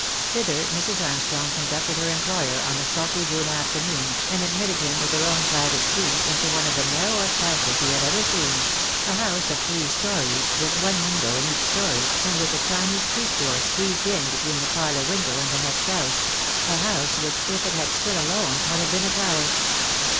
Thither Mrs. Armstrong conducted her employer on a sultry June afternoon, and admitted him with her own private key into one of the narrowest houses he had ever seen — a house of three stories, with one window in each story, and with a tiny street door squeezed in between the parlour window and the next house — a house which, if it had stood alone, would have been a tower.